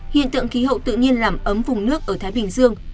hiện tượng khí hậu tự nhiên làm ấm vùng nước ở thái bình dương